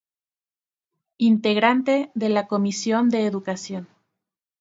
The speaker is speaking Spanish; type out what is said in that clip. Integrante de la comisión de Educación.